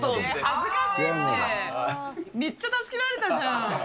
恥ずかしいって、めっちゃ助けられたじゃん。